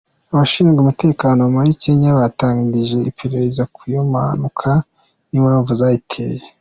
Abashinzwe umutekano muri Kenya batangije iperereza kuri iyo mpanuka n’impamvu zayiteye.